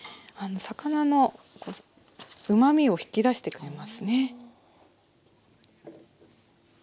魚のうまみを引き出してくれますね。